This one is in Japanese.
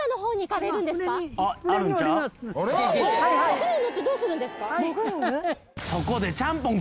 船に乗ってどうするんですか？